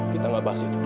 kita gak bahas itu dulu